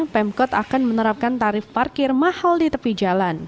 pemkot akan menerapkan tarif parkir mahal di tepi jalan